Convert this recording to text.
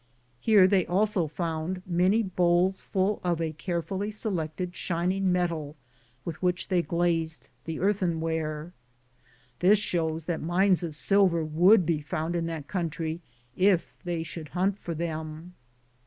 Here they also found many bowls full of a care fully selected shining metal with which they glazed the earthenware. This shows that mines of silver would be found in that country if they should hunt for them.